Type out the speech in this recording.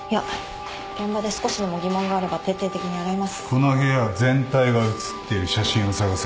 この部屋全体が写っている写真を探せ。